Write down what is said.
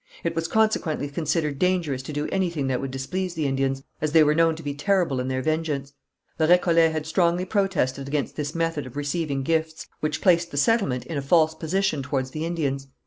It was consequently considered dangerous to do anything that would displease the Indians, as they were known to be terrible in their vengeance. The Récollets had strongly protested against this method of receiving gifts, which placed the settlement in a false position towards the Indians.